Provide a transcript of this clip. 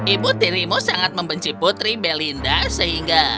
ibu tirimu sangat membenci putri belinda sehingga